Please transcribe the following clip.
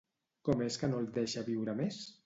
Com és que no el deixa viure més?